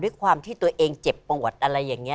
ด้วยความที่ตัวเองเจ็บปวดอะไรอย่างนี้